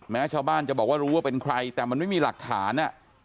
แม้ชาวบ้านจะบอกว่ารู้ว่าเป็นใครแต่มันไม่มีหลักฐาน